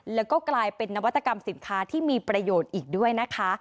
แล้วก็กลายเป็นนวัตกรรมสินค้าที่มีประโยชน์อีกด้วยนะคะ